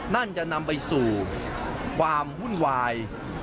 นั่นจะนำไปสู่ความวุ่นวาย